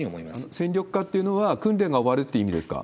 戦力化というのは、訓練が終わるって意味ですか？